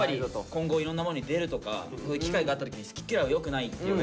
今後いろんなものに出るとかそういう機会があった時に好き嫌いはよくないっていうことで。